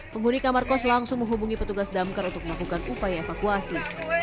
penghuni kamar kos langsung menghubungi petugas damkar untuk melakukan upaya evakuasi